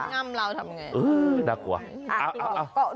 ง่ำเราทำไง